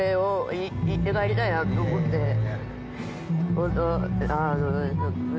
本当。